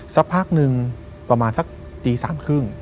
สักพักหนึ่งประมาณสักตีสามครึ่ง